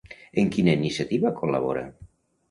En quina iniciativa col·labora?